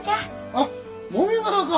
あっもみ殻か。